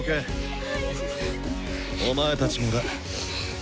お前たちもだ。